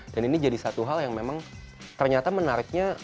dan ini jadi satu hal yang memang ternyata menariknya